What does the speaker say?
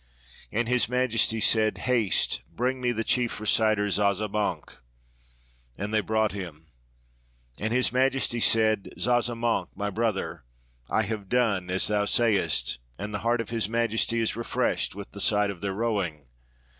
And His Majesty said, 'Haste, bring me the chief reciter Zazamankh,' and they brought him. And His Majesty said, ' Zazamankh, my brother, I have done as thou sayest, and the heart of His Majesty is refreshed with the sight of their rowing.